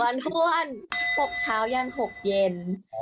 ๑วันทุกวันปกเช้ายัง๖เย็น